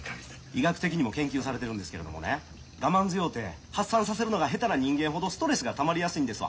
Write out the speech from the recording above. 医学的にも研究されてるんですけれどもね我慢強うて発散させるのが下手な人間ほどストレスがたまりやすいんですわ。